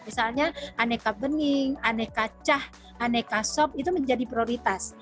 misalnya aneka bening aneka cah aneka sop itu menjadi prioritas